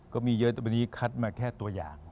ก็มีเยอะแต่วันนี้คัดมาแค่ตัวอย่าง